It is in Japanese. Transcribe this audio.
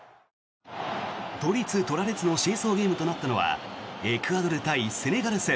取りつ取られつのシーソーゲームとなったのはエクアドル対セネガル戦。